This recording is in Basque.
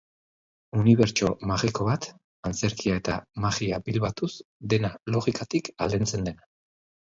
Unibertso magiko bat, antzerkia eta magia bilbatuz dena logikatik aldentzen dena.